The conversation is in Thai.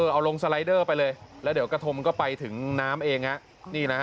เอาลงสไลเดอร์ไปเลยแล้วเดี๋ยวกระทงก็ไปถึงน้ำเองฮะ